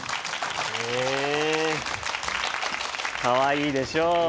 かわいいでしょ？